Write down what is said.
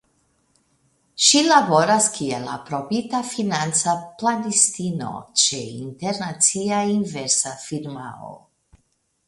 Ŝi laboras kiel Aprobita Financa Planistino ĉe internacia inversa firmao.